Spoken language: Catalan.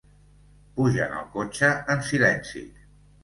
Pugen al cotxe en silenci.